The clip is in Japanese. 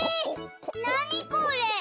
なにこれ？